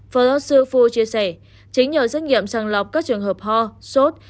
phó giáo sư phu chia sẻ chính nhờ xét nghiệm sàng lọc các trường hợp ho sốt